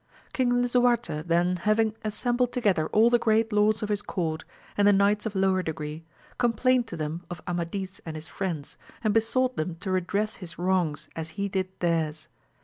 King Lisuarte then having assembled together all the great lords of his court, and the knights of lower 4egree, complained to them of Amadis and his friends, and besought them to redress his wrongs as he did theirs.